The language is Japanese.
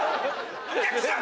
お客さん！